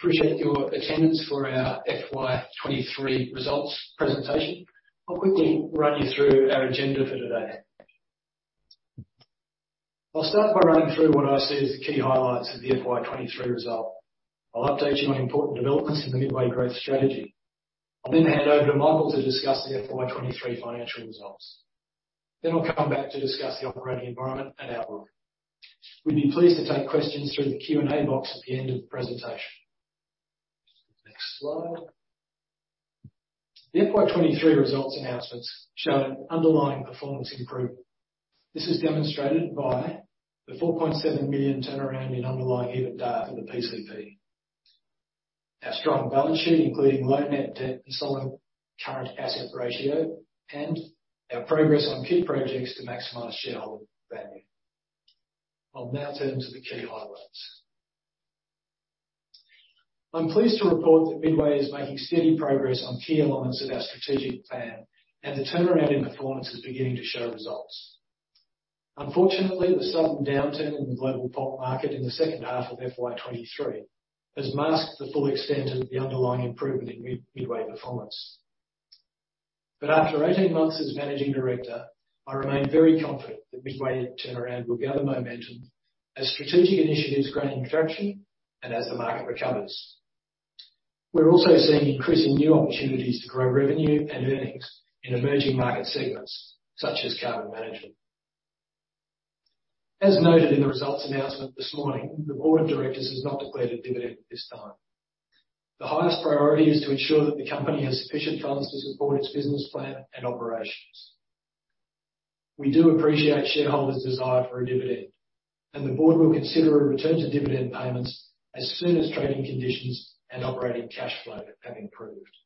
Appreciate your attendance for our FY 2023 results presentation. I'll quickly run you through our agenda for today. I'll start by running through what I see as the key highlights of the FY 2023 result. I'll update you on important developments in the Midway Growth strategy. I'll then hand over to Michael to discuss the FY 2023 financial results. Then I'll come back to discuss the operating environment and outlook. We'd be pleased to take questions through the Q&A box at the end of the presentation. Next slide. The FY 2023 results announcements show an underlying performance improvement. This is demonstrated by the 4.7 million turnaround in underlying EBITDA for the PCP. Our strong balance sheet, including low net debt and solid current asset ratio, and our progress on key projects to maximize shareholder value. I'll now turn to the key highlights. I'm pleased to report that Midway is making steady progress on key elements of our strategic plan, and the turnaround in performance is beginning to show results. Unfortunately, the sudden downturn in the global pulp market in the second half of FY 23 has masked the full extent of the underlying improvement in Midway performance. But after 18 months as managing director, I remain very confident that Midway's turnaround will gather momentum as strategic initiatives gain traction and as the market recovers. We're also seeing increasing new opportunities to grow revenue and earnings in emerging market segments, such as carbon management. As noted in the results announcement this morning, the board of directors has not declared a dividend at this time. The highest priority is to ensure that the company has sufficient funds to support its business plan and operations. We do appreciate shareholders' desire for a dividend, and the board will consider a return to dividend payments as soon as trading conditions and operating cash flow have improved.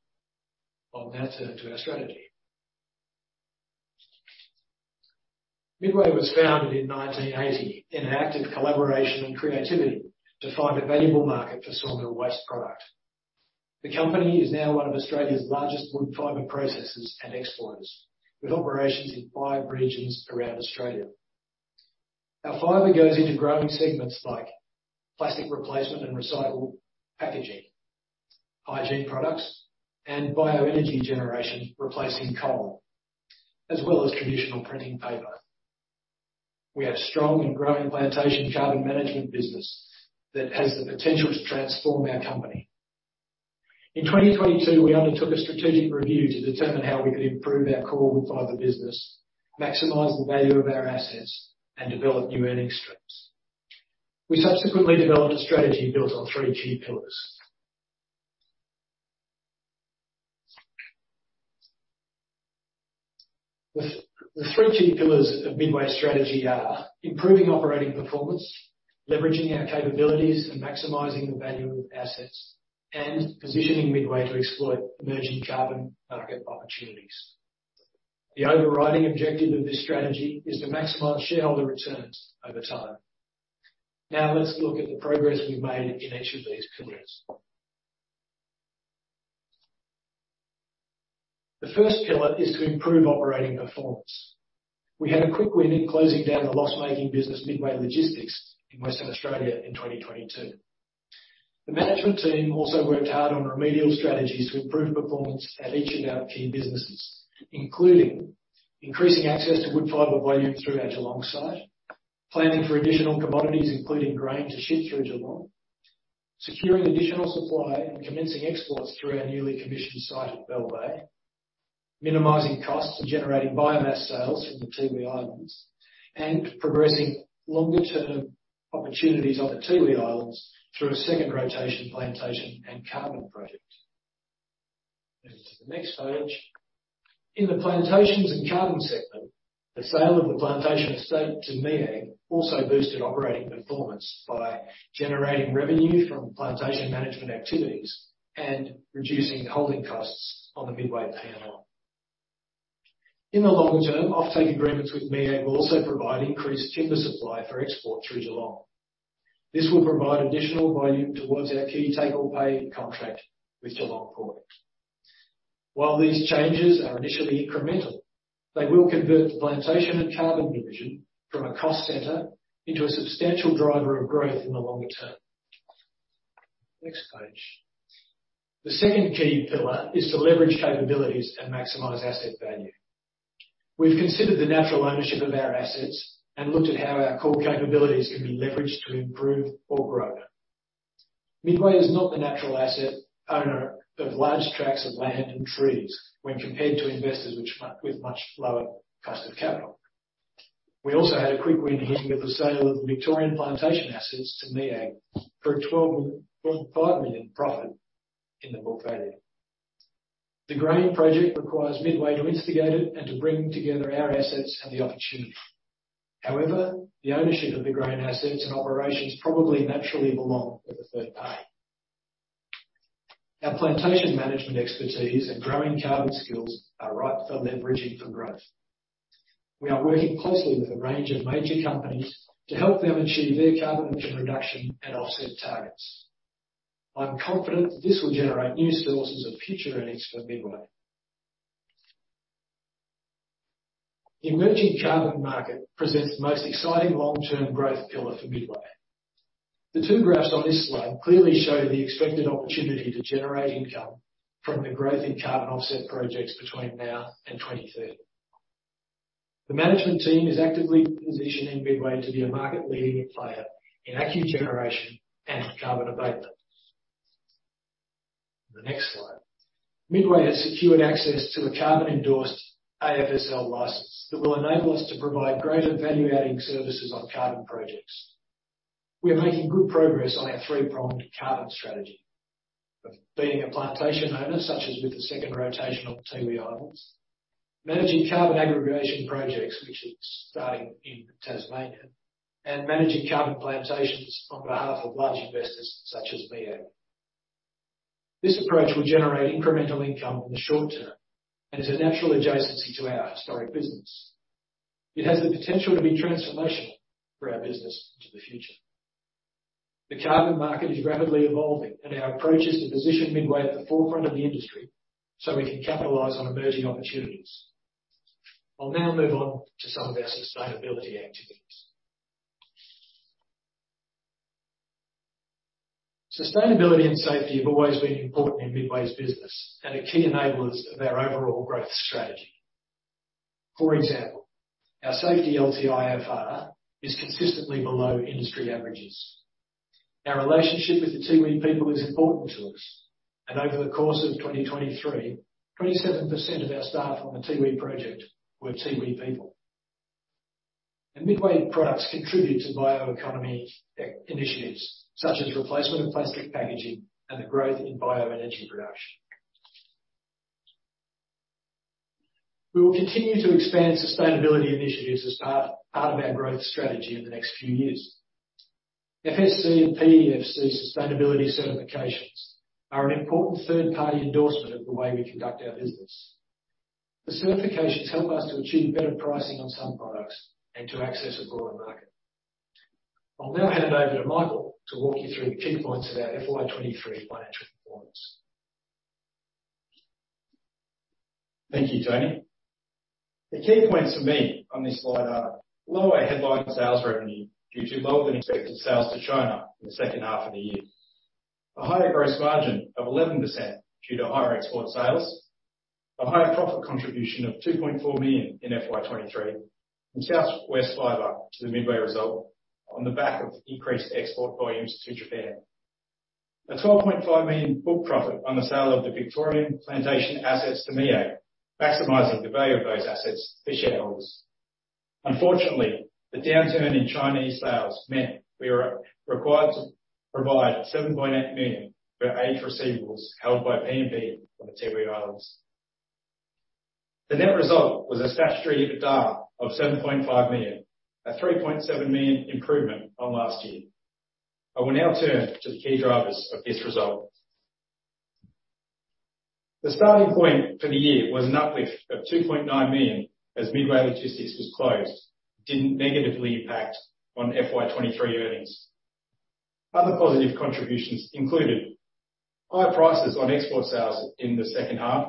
I'll now turn to our strategy. Midway was founded in 1980 in an act of collaboration and creativity to find a valuable market for sawmill waste product. The company is now one of Australia's largest wood fiber processors and exporters, with operations in five regions around Australia. Our fiber goes into growing segments like plastic replacement and recyclable packaging, hygiene products, and bioenergy generation, replacing coal, as well as traditional printing paper. We have a strong and growing plantation carbon management business that has the potential to transform our company. In 2022, we undertook a strategic review to determine how we could improve our core wood fiber business, maximize the value of our assets, and develop new earning streams. We subsequently developed a strategy built on three key pillars. The three key pillars of Midway strategy are: improving operating performance, leveraging our capabilities and maximizing the value of assets, and positioning Midway to exploit emerging carbon market opportunities. The overriding objective of this strategy is to maximize shareholder returns over time. Now, let's look at the progress we've made in each of these pillars. The first pillar is to improve operating performance. We had a quick win in closing down the loss-making business, Midway Logistics, in Western Australia in 2022. The management team also worked hard on remedial strategies to improve performance at each of our key businesses, including increasing access to wood fiber volume through our Geelong site, planning for additional commodities, including grain, to ship through Geelong, securing additional supply and commencing exports through our newly commissioned site at Bell Bay, minimizing costs and generating biomass sales from the Tiwi Islands, and progressing longer-term opportunities on the Tiwi Islands through a second rotation plantation and carbon project. Go to the next page. In the plantations and carbon segment, the sale of the plantation estate to MEAG also boosted operating performance by generating revenue from plantation management activities and reducing holding costs on the Midway P&L. In the long term, offtake agreements with MEAG will also provide increased timber supply for export through Geelong. This will provide additional volume towards our key take-or-pay contract with GeelongPort. While these changes are initially incremental, they will convert the plantation and carbon division from a cost center into a substantial driver of growth in the longer term. Next page. The second key pillar is to leverage capabilities and maximize asset value. We've considered the natural ownership of our assets and looked at how our core capabilities can be leveraged to improve or grow. Midway is not the natural asset owner of large tracts of land and trees when compared to investors with much lower cost of capital. We also had a quick win here with the sale of the Victorian plantation assets to MEAG for a 12.5 million profit in the book value. The grain project requires Midway to instigate it and to bring together our assets and the opportunity. However, the ownership of the grain assets and operations probably naturally belong with a third party. Our plantation management expertise and growing carbon skills are ripe for leveraging for growth. We are working closely with a range of major companies to help them achieve their carbon emission reduction and offset targets. I'm confident this will generate new sources of future earnings for Midway. The emerging carbon market presents the most exciting long-term growth pillar for Midway. The two graphs on this slide clearly show the expected opportunity to generate income from the growth in carbon offset projects between now and 2030. The management team is actively positioning Midway to be a market-leading player in ACCU generation and carbon abatement. The next slide. Midway has secured access to a carbon-endorsed AFSL license that will enable us to provide greater value-adding services on carbon projects. We are making good progress on our three-pronged carbon strategy: of being a plantation owner, such as with the second rotation of the Tiwi Islands, managing carbon aggregation projects, which is starting in Tasmania, and managing carbon plantations on behalf of large investors such as MEAG. This approach will generate incremental income in the short term and is a natural adjacency to our historic business. It has the potential to be transformational for our business into the future. The carbon market is rapidly evolving, and our approach is to position Midway at the forefront of the industry so we can capitalize on emerging opportunities. I'll now move on to some of our sustainability activities. Sustainability and safety have always been important in Midway's business and are key enablers of our overall growth strategy. For example, our safety LTIFR is consistently below industry averages. Our relationship with the Tiwi people is important to us, and over the course of 2023, 27% of our staff on the Tiwi project were Tiwi people. Midway products contribute to bioeconomy initiatives, such as replacement of plastic packaging and the growth in bioenergy production. We will continue to expand sustainability initiatives as part of our growth strategy in the next few years. FSC and PEFC sustainability certifications are an important third-party endorsement of the way we conduct our business. The certifications help us to achieve better pricing on some products and to access a broader market. I'll now hand over to Michael to walk you through the key points of our FY 2023 financial performance. Thank you, Tony. The key points for me on this slide are lower headline sales revenue due to lower-than-expected sales to China in the second half of the year. A higher gross margin of 11% due to higher export sales. A higher profit contribution of 2.4 million in FY 2023 from South West Fibre to the Midway result on the back of increased export volumes to Japan. A 12.5 million book profit on the sale of the Victorian plantation assets to MEAG, maximizing the value of those assets for shareholders. Unfortunately, the downturn in Chinese sales meant we were required to provide 7.8 million for aged receivables held by NAB on the Tiwi Islands. The net result was a statutory EBITDA of 7.5 million, a 3.7 million improvement on last year. I will now turn to the key drivers of this result. The starting point for the year was an uplift of 2.9 million, as Midway Logistics was closed. It didn't negatively impact on FY 2023 earnings. Other positive contributions included high prices on export sales in the second half,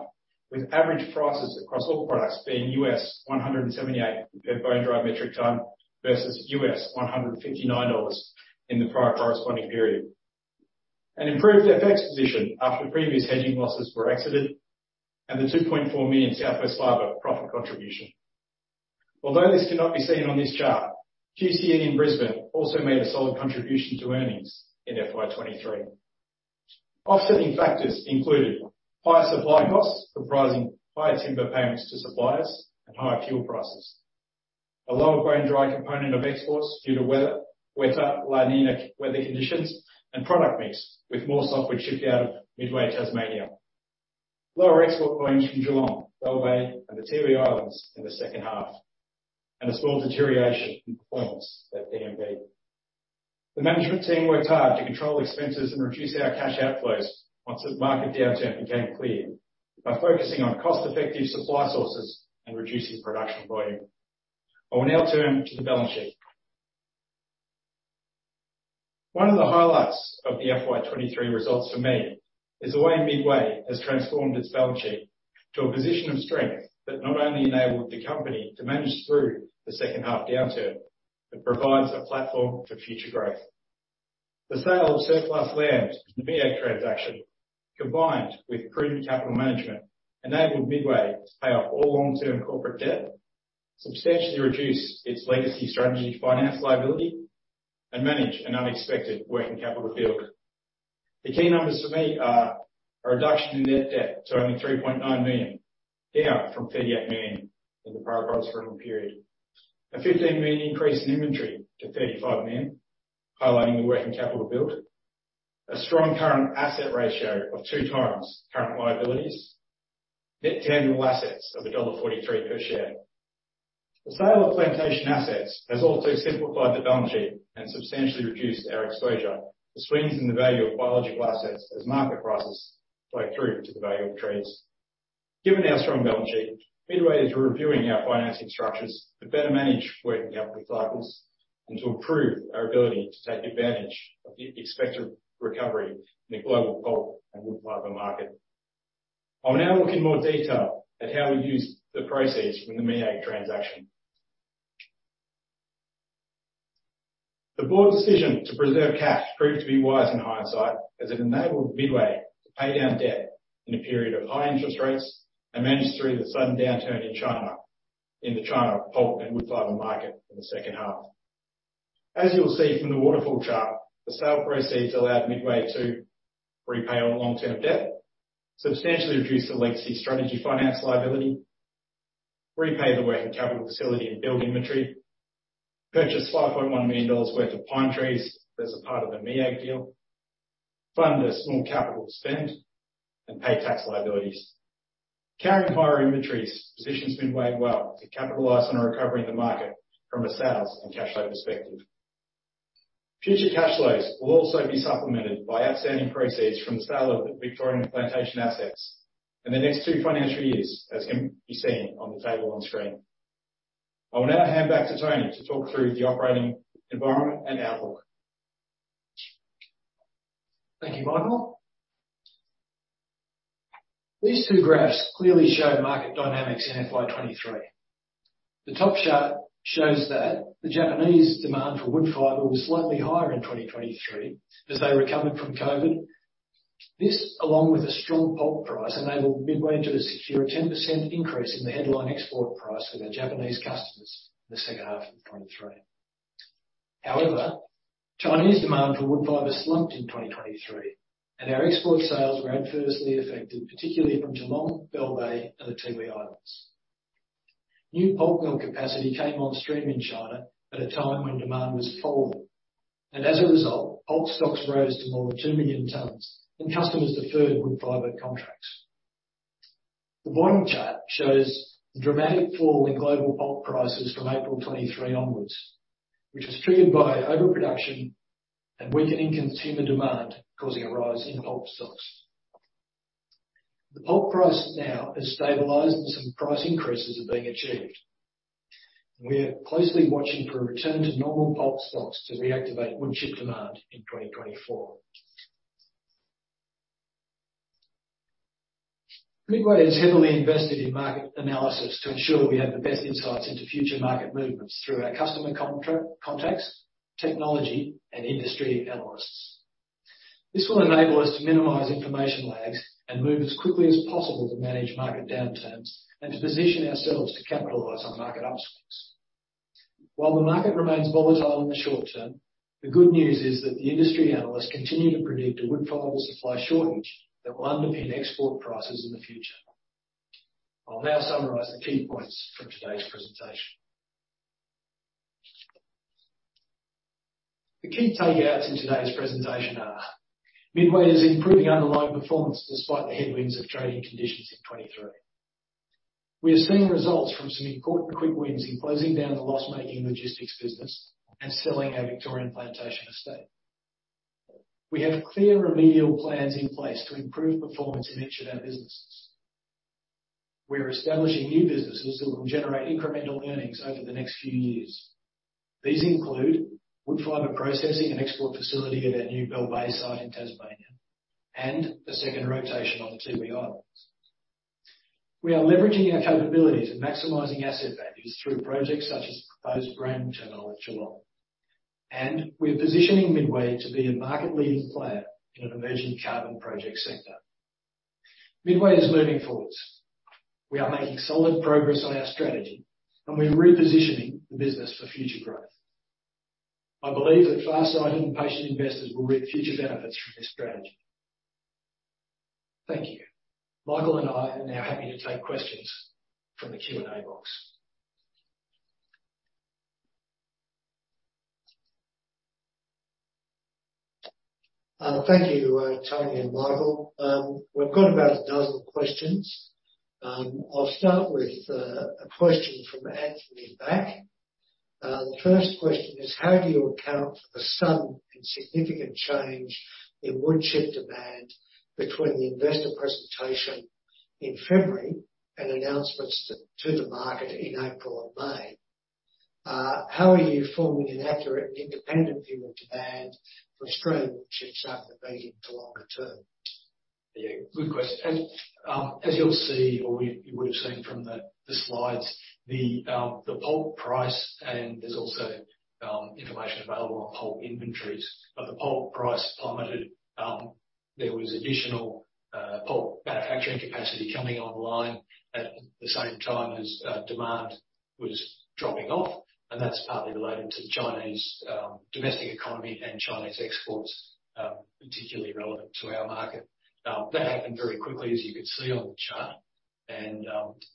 with average prices across all products being $178 per bone dry metric ton versus $159 in the prior corresponding period. An improved FX position after previous hedging losses were exited, and the 2.4 million South West Fibre profit contribution. Although this cannot be seen on this chart, QCN in Brisbane also made a solid contribution to earnings in FY 2023. Offsetting factors included higher supply costs, comprising higher timber payments to suppliers and higher fuel prices. A lower grain dry component of exports due to weather, wetter La Niña weather conditions and product mix, with more softwood shipped out of Midway Tasmania. Lower export volumes from Geelong, Bell Bay, and the Tiwi Islands in the second half, and a small deterioration in performance at PMP. The management team worked hard to control expenses and reduce our cash outflows once the market downturn became clear, by focusing on cost-effective supply sources and reducing production volume. I will now turn to the balance sheet. One of the highlights of the FY 2023 results for me is the way Midway has transformed its balance sheet to a position of strength that not only enabled the company to manage through the second half downturn, but provides a platform for future growth. The sale of surplus land in the MEAG transaction, combined with improved capital management, enabled Midway to pay off all long-term corporate debt, substantially reduce its legacy strategic finance liability, and manage an unexpected working capital build. The key numbers for me are, a reduction in net debt to only 3.9 million, down from 38 million in the prior corresponding period. A 15 million increase in inventory to 35 million, highlighting the working capital build. A strong current asset ratio of 2x current liabilities. Net tangible assets of dollar 1.43 per share. The sale of plantation assets has also simplified the balance sheet and substantially reduced our exposure to swings in the value of biological assets as market prices play through to the value of trees. Given our strong balance sheet, Midway is reviewing our financing structures to better manage working capital cycles and to improve our ability to take advantage of the expected recovery in the global pulp and wood fiber market. I'll now look in more detail at how we used the proceeds from the MEAG transaction. The board's decision to preserve cash proved to be wise in hindsight, as it enabled Midway to pay down debt in a period of high interest rates and manage through the sudden downturn in China, in the China pulp and wood fiber market in the second half. As you'll see from the waterfall chart, the sale proceeds allowed Midway to repay all long-term debt, substantially reduce the legacy strategy finance liability, repay the working capital facility and build inventory, purchase 5.1 million dollars worth of pine trees as a part of the MEAG deal, fund a small capital spend, and pay tax liabilities. Carrying higher inventories positions Midway well to capitalize on a recovery in the market from a sales and cash flow perspective. Future cash flows will also be supplemented by outstanding proceeds from the sale of the Victorian plantation assets in the next two financial years, as can be seen on the table on screen. I will now hand back to Tony to talk through the operating environment and outlook. Thank you, Michael. These two graphs clearly show market dynamics in FY 2023. The top chart shows that the Japanese demand for wood fiber was slightly higher in 2023 as they recovered from COVID. This, along with a strong pulp price, enabled Midway to secure a 10% increase in the headline export price with our Japanese customers in the second half of 2023. However, Chinese demand for wood fiber slumped in 2023, and our export sales were adversely affected, particularly from Geelong, Bell Bay, and the Tiwi Islands. New pulp mill capacity came on stream in China at a time when demand was falling, and as a result, pulp stocks rose to more than 2 million tons and customers deferred wood fiber contracts. The bottom chart shows the dramatic fall in global pulp prices from April 2023 onwards, which was triggered by overproduction and weakening consumer demand, causing a rise in pulp stocks. The pulp price now has stabilized, and some price increases are being achieved. We are closely watching for a return to normal pulp stocks to reactivate wood chip demand in 2024. Midway is heavily invested in market analysis to ensure we have the best insights into future market movements through our customer contacts, technology, and industry analysts. This will enable us to minimize information lags and move as quickly as possible to manage market downturns and to position ourselves to capitalize on market upswings. While the market remains volatile in the short term, the good news is that the industry analysts continue to predict a wood fiber supply shortage that will underpin export prices in the future. I'll now summarize the key points from today's presentation. The key takeouts in today's presentation are: Midway is improving underlying performance despite the headwinds of trading conditions in 2023. We are seeing results from some important quick wins in closing down the loss-making logistics business and selling our Victorian plantation estate. We have clear remedial plans in place to improve performance in each of our businesses. We are establishing new businesses that will generate incremental earnings over the next few years. These include wood fiber processing and export facility at our new Bell Bay site in Tasmania and a second rotation on the Tiwi Islands. We are leveraging our capabilities and maximizing asset values through projects such as the proposed grain terminal at Geelong, and we're positioning Midway to be a market-leading player in an emerging carbon project sector. Midway is moving forward. We are making solid progress on our strategy, and we're repositioning the business for future growth. I believe that far-sighted and patient investors will reap future benefits from this strategy. Thank you. Michael and I are now happy to take questions from the Q&A box. Thank you, Tony and Michael. We've got about a dozen questions. I'll start with a question from Anthony Back. The first question is: How do you account for the sudden and significant change in wood chip demand between the investor presentation in February and announcements to the market in April and May? How are you forming an accurate and independent view of demand for Australian wood chips over the medium to longer term? Yeah, good question. As you'll see, or you, you would have seen from the slides, the pulp price, and there's also information available on pulp inventories. But the pulp price plummeted. There was additional pulp manufacturing capacity coming online at the same time as demand was dropping off, and that's partly related to Chinese domestic economy and Chinese exports, particularly relevant to our market. That happened very quickly, as you can see on the chart. And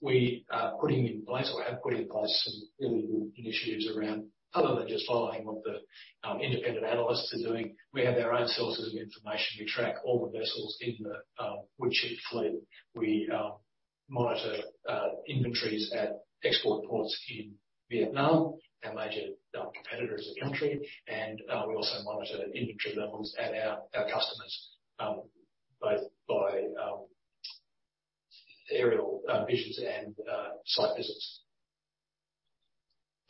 we are putting in place or have put in place some really good initiatives around... Other than just following what the independent analysts are doing, we have our own sources of information. We track all the vessels in the wood chip fleet. We monitor inventories at export ports in Vietnam, our major competitor as a country, and we also monitor inventory levels at our customers, both by aerial visions and site visits....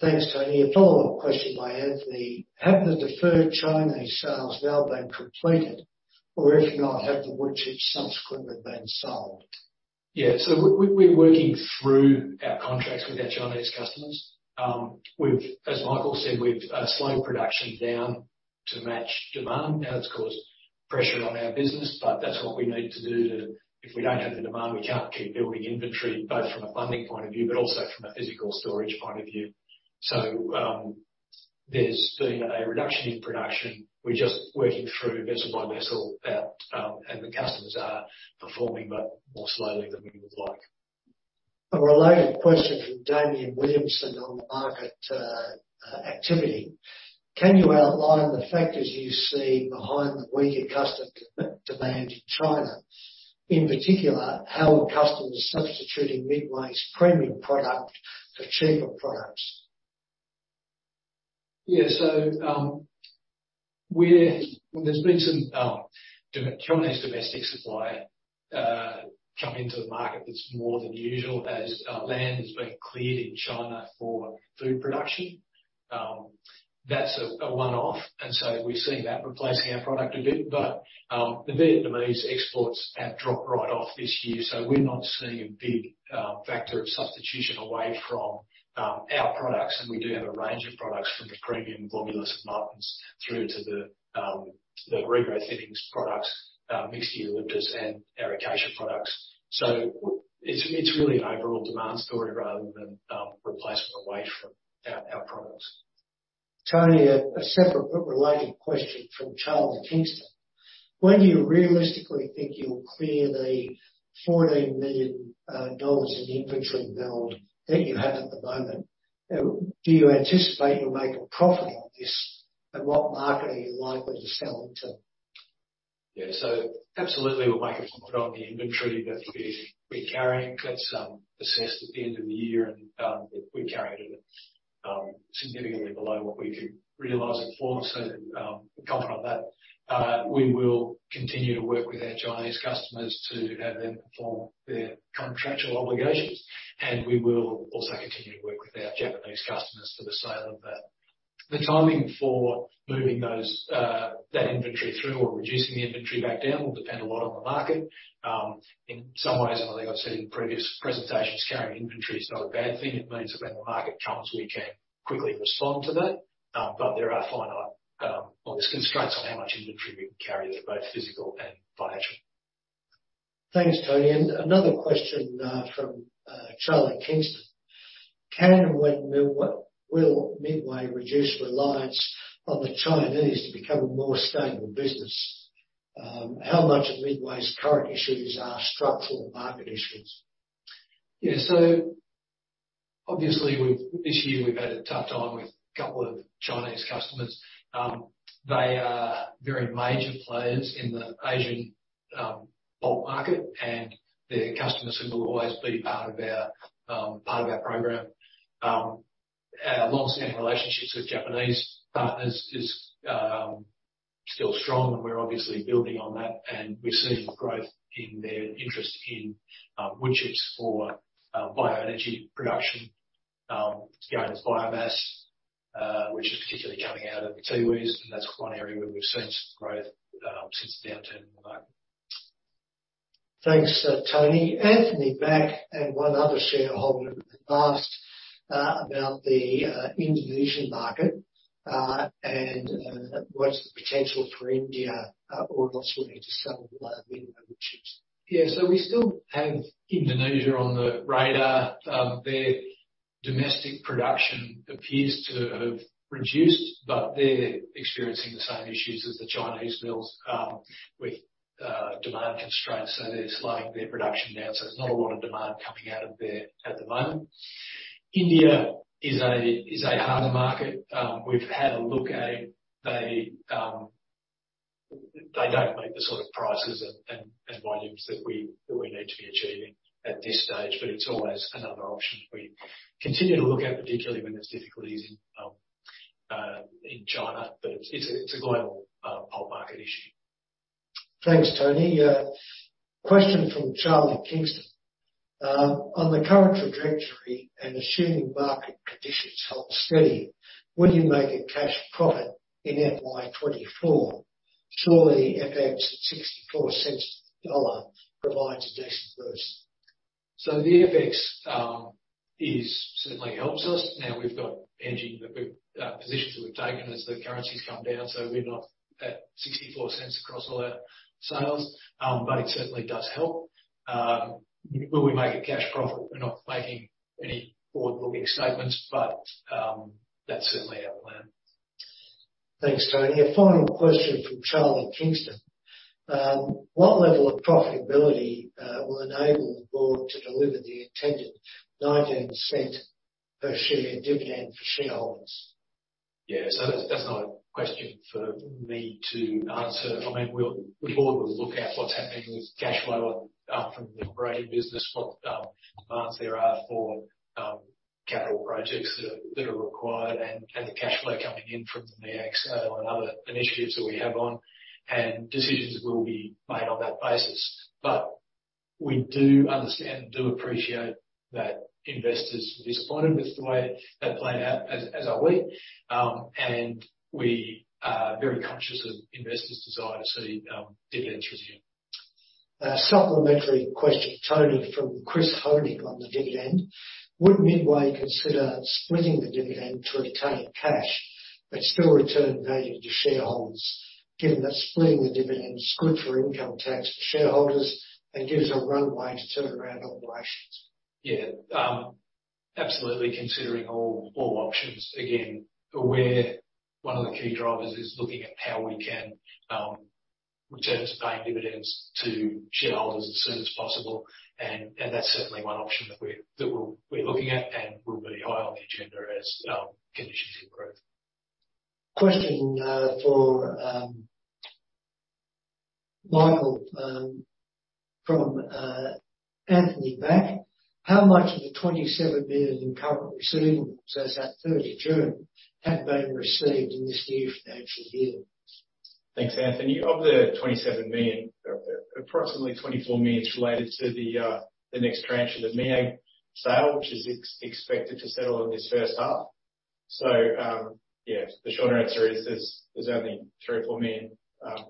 Thanks, Tony. A follow-up question by Anthony: Have the deferred Chinese sales now been completed, or if not, have the wood chips subsequently been sold? Yeah, so we're working through our contracts with our Chinese customers. We've, as Michael said, we've slowed production down to match demand. Now, it's caused pressure on our business, but that's what we need to do to... If we don't have the demand, we can't keep building inventory, both from a funding point of view, but also from a physical storage point of view. So, there's been a reduction in production. We're just working through vessel by vessel, and the customers are performing, but more slowly than we would like. A related question from Damien Williamson on the market activity: Can you outline the factors you see behind the weaker customer demand in China? In particular, how are customers substituting Midway's premium product for cheaper products? Yeah, so, we're—there's been some Chinese domestic supply come into the market that's more than usual, as land has been cleared in China for food production. That's a one-off, and so we've seen that replacing our product a bit. But, the Vietnamese exports have dropped right off this year, so we're not seeing a big factor of substitution away from our products. And we do have a range of products, from the premium globulus mountains through to the regrowth thinnings products, mixed eucalyptus and our acacia products. So it's really an overall demand story rather than replacement away from our products. Tony, a separate but related question from Charles Kingston: When do you realistically think you'll clear the AUD 14 million in inventory build that you have at the moment? Do you anticipate you'll make a profit on this, and what market are you likely to sell into? Yeah, so absolutely, we'll make a profit on the inventory that we're carrying. That's assessed at the end of the year, and if we carried it at significantly below what we could realize it for. So confident of that. We will continue to work with our Chinese customers to have them perform their contractual obligations, and we will also continue to work with our Japanese customers for the sale of that. The timing for moving those that inventory through or reducing the inventory back down will depend a lot on the market. In some ways, and I think I've said in previous presentations, carrying inventory is not a bad thing. It means that when the market comes, we can quickly respond to that. But there are finite, obvious constraints on how much inventory we can carry, that are both physical and financial. Thanks, Tony. Another question from Charles Kingston: Can and when will Midway reduce reliance on the Chinese to become a more stable business? How much of Midway's current issues are structural and market issues? Yeah, so obviously, we've this year we've had a tough time with a couple of Chinese customers. They are very major players in the Asian pulp market, and their customers will always be part of our part of our program. Our long-standing relationships with Japanese partners is still strong, and we're obviously building on that, and we're seeing growth in their interest in wood chips for bioenergy production, going as biomass, which is particularly coming out of the Tiwi's, and that's one area where we've seen some growth since the downturn in the market. Thanks, Tony. Anthony Back and one other shareholder have asked about the Indonesian market, and what's the potential for India, or not looking to sell Midway wood chips? Yeah, so we still have Indonesia on the radar. Their domestic production appears to have reduced, but they're experiencing the same issues as the Chinese mills with demand constraints, so they're slowing their production down. So there's not a lot of demand coming out of there at the moment. India is a hard market. We've had a look at it. They don't meet the sort of prices and volumes that we need to be achieving at this stage, but it's always another option we continue to look at, particularly when there's difficulties in China. But it's a global pulp market issue. Thanks, Tony. Question from Charles Kingston. On the current trajectory and assuming market conditions hold steady, will you make a cash profit in FY 2024? Surely, FX at 0.64 to the dollar provides a decent boost. So the FX certainly helps us. Now, we've got hedging positions we've taken as the currency's come down, so we're not at $0.64 across all our sales, but it certainly does help. Will we make a cash profit? We're not making any forward-looking statements, but that's certainly our plan. Thanks, Tony. A final question from Charles Kingston: What level of profitability will enable the board to deliver the intended 0.19 per share dividend for shareholders? Yeah, so that's not a question for me to answer. I mean, the board will look at what's happening with cash flow from the operating business, what plans there are for capital projects that are required. The cash flow coming in from the MEAG sale and other initiatives that we have on, and decisions will be made on that basis. But we do understand and do appreciate that investors are disappointed with the way that played out, as are we. And we are very conscious of investors' desire to see dividends resume. Supplementary question, Tony, from Chris Honig on the dividend: Would Midway consider splitting the dividend to retain cash, but still return value to shareholders, given that splitting the dividend is good for income tax for shareholders and gives a runway to turn around operations? Yeah. Absolutely, considering all, all options, again, where one of the key drivers is looking at how we can, return to paying dividends to shareholders as soon as possible, and, and that's certainly one option that we're, that we're, we're looking at, and will be high on the agenda as, conditions improve. Question for Michael from Anthony Back. How much of the 27 million in current receivables, as at 30 June, have been received in this new financial year? Thanks, Anthony. Of the 27 million, approximately 24 million is related to the next tranche of the MEAG sale, which is expected to settle in this first half. So, yeah, the short answer is, there's only 3 million or 4 million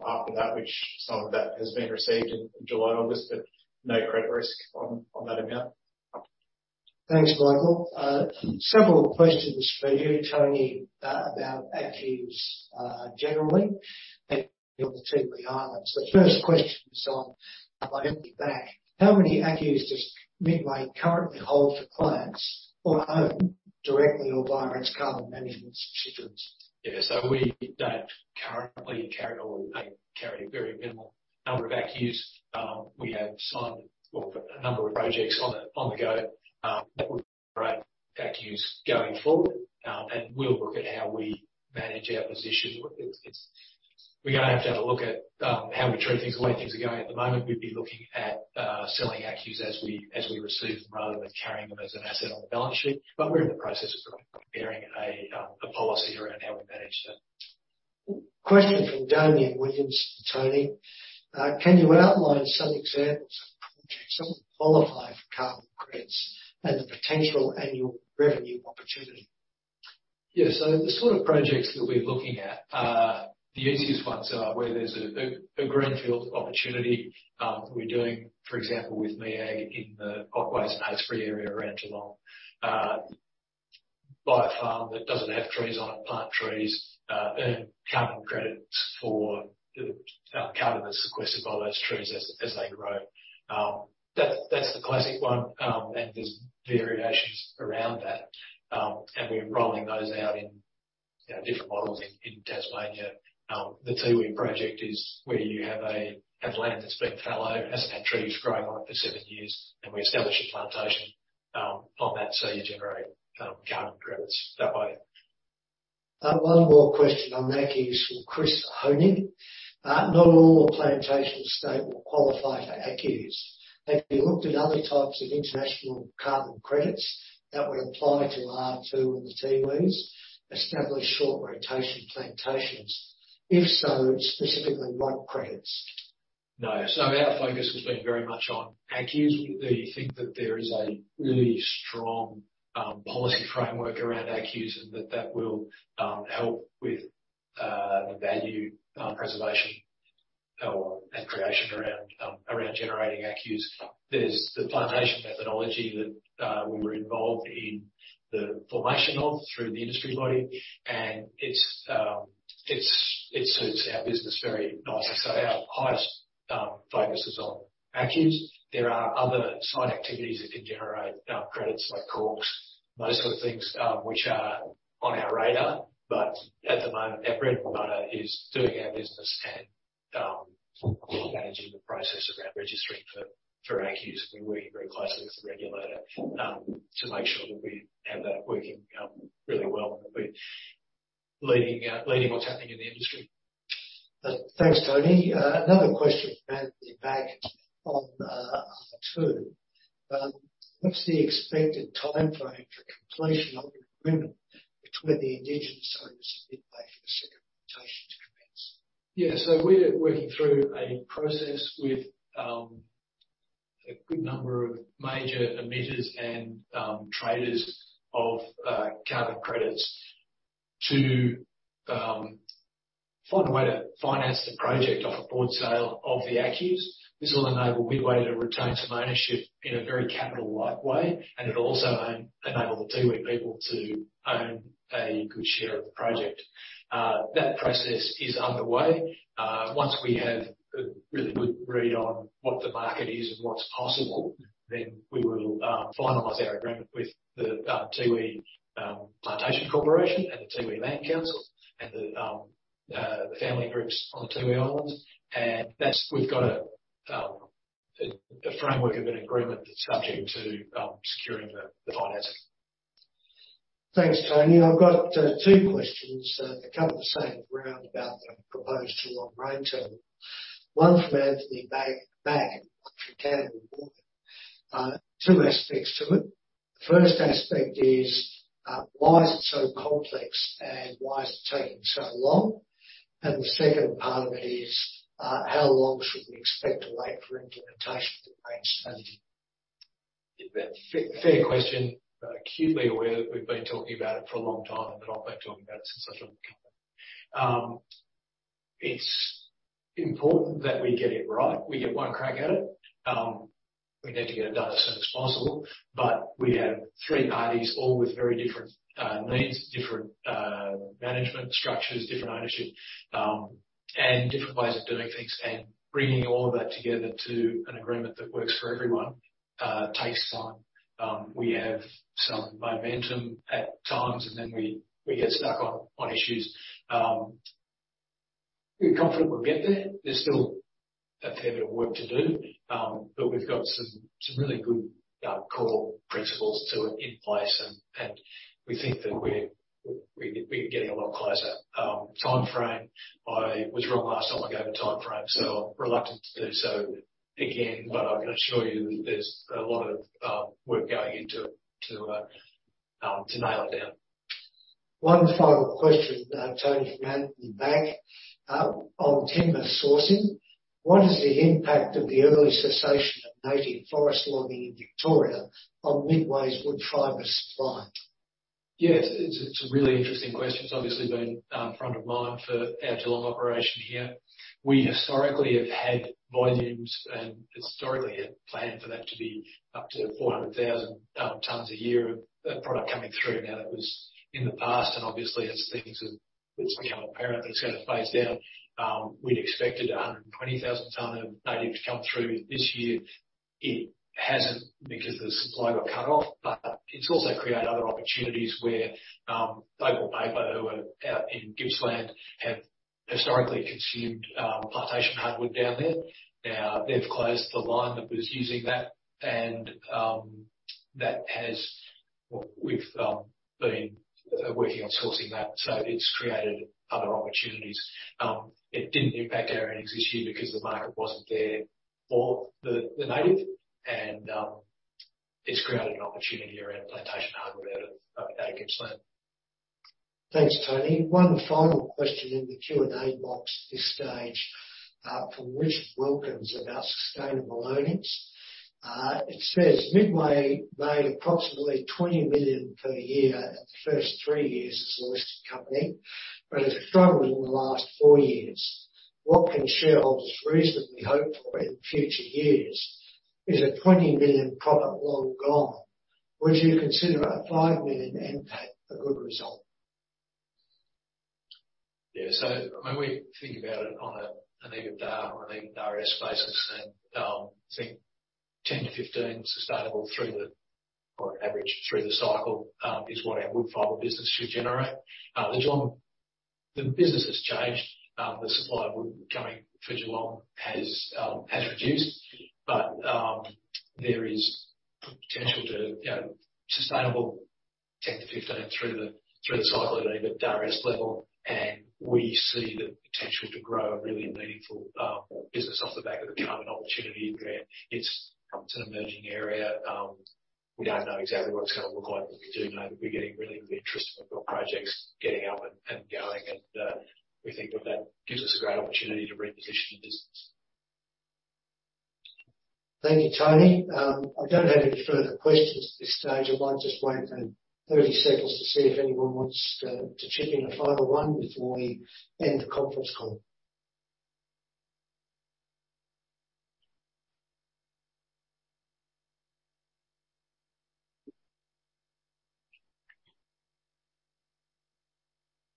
after that, which some of that has been received in July, August, but no credit risk on that amount. Thanks, Michael. Several questions for you, Tony, about ACCUs, generally, and on Tiwi Islands. The first question is on Anthony Back. How many ACCUs does Midway currently hold for clients or own directly or via its carbon management subsidiaries? Yeah, so we don't currently carry or carry a very minimal number of ACCUs. We have signed, well, a number of projects on the, on the go, that will generate ACCUs going forward. And we'll look at how we manage our position. It's, it's... We're going to have to have a look at, how we treat things. The way things are going at the moment, we'd be looking at, selling ACCUs as we, as we receive them, rather than carrying them as an asset on the balance sheet. But we're in the process of preparing a, a policy around how we manage that. Question from Damien Williamson, Tony. Can you outline some examples of projects that will qualify for carbon credits and the potential annual revenue opportunity? Yeah. So the sort of projects that we're looking at, the easiest ones are where there's a greenfield opportunity. We're doing, for example, with MEAG in the Otways and Apsley area around Geelong. Buy a farm that doesn't have trees on it, plant trees, earn carbon credits for the carbon that's sequestered by those trees as they grow. That's the classic one, and there's variations around that. And we're rolling those out, you know, in different models in Tasmania. The Tiwi project is where you have land that's been fallow, hasn't had trees growing on it for seven years, and we establish a plantation on that, so you generate carbon credits that way. One more question on ACCUs from Chris Honig. Not all the plantations they will qualify for ACCUs. Have you looked at other types of international carbon credits that would apply to R2 and the Tiwi, established short rotation plantations? If so, specifically, what credits? No. So our focus has been very much on ACCUs. We think that there is a really strong policy framework around ACCUs, and that that will help with the value preservation and creation around around generating ACCUs. There's the plantation methodology that we were involved in the formation of, through the industry body, and it's it's it suits our business very nicely. So our highest focus is on ACCUs. There are other side activities that can generate credits like CORCs, those sort of things which are on our radar, but at the moment, our bread and butter is doing our business and managing the process around registering for for ACCUs. We're working very closely with the regulator to make sure that we have that working really well, and that we're leading what's happening in the industry. Thanks, Tony. Another question from Anthony Back on R2. What's the expected timeframe for completion of the agreement between the indigenous owners and Midway for the second rotation to commence? Yeah. So we're working through a process with a good number of major emitters and traders of carbon credits to find a way to finance the project off a board sale of the ACCUs. This will enable Midway to retain some ownership in a very capital light way, and it'll also enable the Tiwi people to own a good share of the project. That process is underway. Once we have a really good read on what the market is and what's possible, then we will finalize our agreement with the Tiwi Plantations Corporation and the Tiwi Land Council and the family groups on the Tiwi Islands. And that's—we've got a framework of an agreement that's subject to securing the financing. Thanks, Tony. I've got two questions that come the same round about the proposed grain terminal. One from Anthony Back, Back from Canaccord.... Two aspects to it. The first aspect is why is it so complex, and why is it taking so long? And the second part of it is how long should we expect to wait for implementation to take place? Fair, fair question. Acutely aware that we've been talking about it for a long time, and I've been talking about it since I joined the company. It's important that we get it right. We get one crack at it. We need to get it done as soon as possible, but we have three parties, all with very different needs, different management structures, different ownership, and different ways of doing things, and bringing all of that together to an agreement that works for everyone takes time. We have some momentum at times, and then we get stuck on issues. We're confident we'll get there. There's still a fair bit of work to do, but we've got some really good core principles to it in place, and we think that we're getting a lot closer. Timeframe, I was wrong last time I gave a timeframe, so reluctant to do so again, but I can assure you there's a lot of work going into it to nail it down. One final question, Tony, from Anthony Back. On timber sourcing, what is the impact of the early cessation of native forest logging in Victoria on Midway's wood fiber supply? Yeah, it's a really interesting question. It's obviously been front of mind for our Geelong operation here. We historically have had volumes, and historically had planned for that to be up to 400,000 tons a year of product coming through. Now, that was in the past, and obviously, as things have, it's become apparent that it's going to phase down. We'd expected 120,000 tons of native to come through this year. It hasn't, because the supply got cut off, but it's also created other opportunities where Opal Paper, who are out in Gippsland, have historically consumed plantation hardwood down there. Now, they've closed the line that was using that, and that has. We've been working on sourcing that, so it's created other opportunities. It didn't impact our earnings this year because the market wasn't there for the native, and it's created an opportunity around plantation hardwood out of Gippsland. Thanks, Tony. One final question in the Q&A box this stage, from Richard Wilkins, about sustainable earnings. It says, "Midway made approximately 20 million per year in the first three years as a listed company, but has struggled in the last four years. What can shareholders reasonably hope for in future years? Is a 20 million profit long gone? Would you consider a 5 million NPAT a good result? Yeah, so when we think about it on an EBITDA or an EBITDA basis, and I think 10-15's sustainable through the or average through the cycle is what our wood fiber business should generate. The Geelong business has changed. The supply of wood coming through Geelong has reduced, but there is potential to, you know, sustainable 10-15 through the cycle at an EBITDA level, and we see the potential to grow a really meaningful business off the back of the current opportunity there. It's an emerging area. We don't know exactly what it's going to look like, but we do know that we're getting really interested. We've got projects getting up and going, and we think that that gives us a great opportunity to reposition the business. Thank you, Tony. I don't have any further questions at this stage. I might just wait 30 seconds to see if anyone wants to chip in a final one before we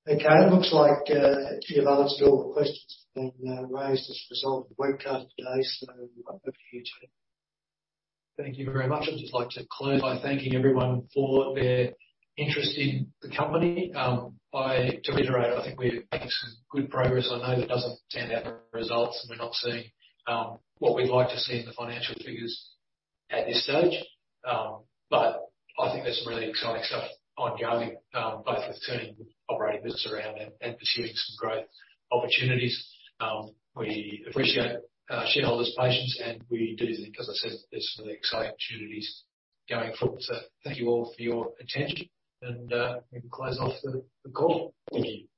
end the conference call. Okay, it looks like you've answered all the questions that have been raised as a result of the webcast today, so over to you, Tony. Thank you very much. I'd just like to close by thanking everyone for their interest in the company. To reiterate, I think we're making some good progress. I know that doesn't stand out in the results, and we're not seeing what we'd like to see in the financial figures at this stage. But I think there's some really exciting stuff ongoing, both with turning the operating business around and pursuing some great opportunities. We appreciate our shareholders' patience, and we do think, as I said, there's some exciting opportunities going forward. So thank you all for your attention, and we can close off the call. Thank you.